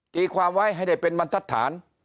ตีความไว้ให้ได้เป็นบรรทัศน